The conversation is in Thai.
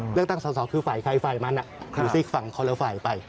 เลือกตั้งสอคือฝ่ายใครฝ่ายมันอยู่ที่อีกฝั่งเขาเลือกฝ่ายไป